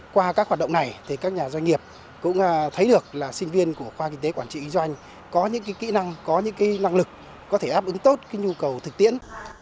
qua các hoạt động này thì các nhà doanh nghiệp cũng thấy được là sinh viên của khoa kinh tế quản trị kinh doanh có những kỹ năng có những năng lực có thể áp ứng tốt nhu cầu thực tiễn